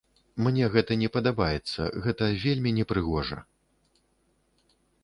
Мне гэта не падабаецца, гэта вельмі непрыгожа.